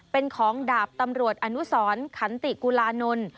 เป็นของดาบตำรวจอนุสรขันติกุลานนท์